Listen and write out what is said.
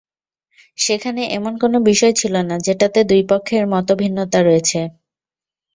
সেখানে এমন কোনো বিষয় ছিল না, যেটাতে দুই পক্ষের মতভিন্নতা হয়েছে।